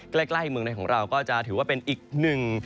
ใกล้เมืองในของเราก็จะถือว่าเป็นอีกหนึ่ง